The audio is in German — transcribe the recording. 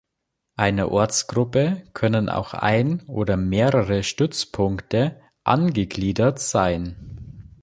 Einer Ortsgruppe können auch ein oder mehrere Stützpunkte angegliedert sein.